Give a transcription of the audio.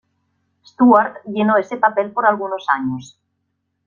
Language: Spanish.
Stewart llenó ese papel por algunos años.